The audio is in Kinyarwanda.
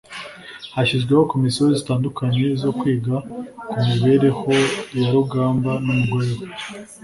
Hashyizweho komisiyo zitandukanye zo kwiga ku mibereho ya Rugamba n’umugore we